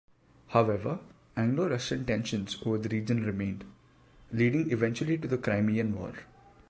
However, Anglo-Russian tensions over the region remained, leading eventually to the Crimean War.